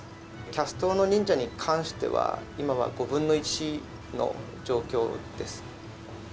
キャストの忍者に関しては、今は５分の１の状況です。